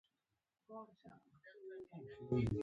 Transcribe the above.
زه وروختم.